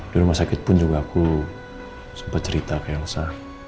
di rumah sakit pun juga aku sempet cerita kayak elsa